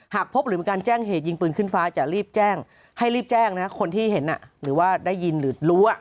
หากพบหรือมีการแจ้งเหตุยิงปืนขึ้นฟ้าจะรีบแจ้งให้รีบแจ้งนะคนที่เห็นหรือว่าได้ยินหรือรู้